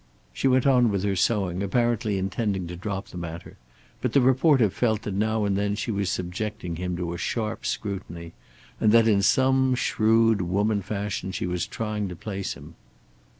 She went on with her sewing, apparently intending to drop the matter; but the reporter felt that now and then she was subjecting him to a sharp scrutiny, and that, in some shrewd woman fashion, she was trying to place him.